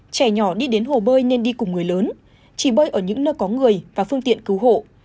trẻ nhỏ đi đến hồ bơi nên đi cùng người lớn chỉ bơi ở những nơi có người và phương tiện cứu hộ